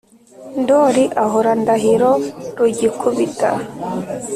Ndoli ahora Ndahiro rugikubita